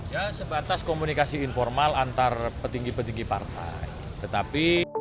ya sebatas komunikasi informal antar petinggi petinggi partai tetapi